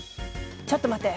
ちょっと待って！